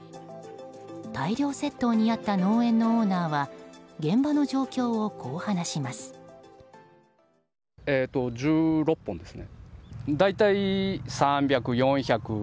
大量窃盗に遭った農園のオーナーは現場の状況をこう話します。